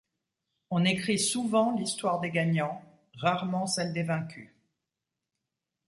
On écrit souvent l’histoire des gagnants, rarement celle des vaincus.